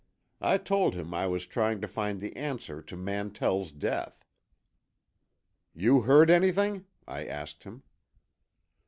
I told him I was trying to find the answer to Mantell's death. "You heard anything?" I asked him.